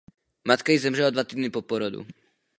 Matka jí zemřela dva týdny po porodu.